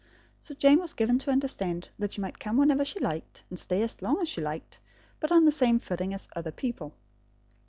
So Jane was given to understand that she might come whenever she liked, and stay as long as she liked, but on the same footing as other people.